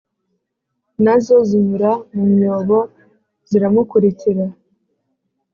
na zo zinyura mu myobo, ziramukurikira.